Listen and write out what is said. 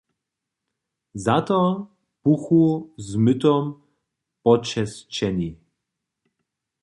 Za to buchu z mytom počesćeni.